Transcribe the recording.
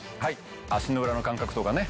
足の裏の感覚とかね。